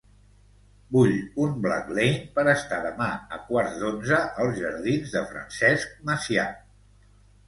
Vull un Blacklane per estar demà a quarts d'onze als Jardins de Francesc Macià.